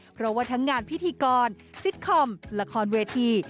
เพราะว่าทั้งงานพิธีกรซิตคอมละครเวที